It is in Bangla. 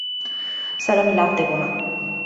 স্যার, আমি লাফ দেব না।